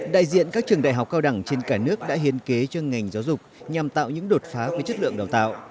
đại diện các trường đại học cao đẳng trên cả nước đã hiến kế cho ngành giáo dục nhằm tạo những đột phá với chất lượng đào tạo